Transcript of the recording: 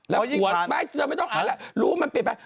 แล้วหัวไม่ไม่ต้องอ่านแล้วรู้ว่ามันเป็นแบบ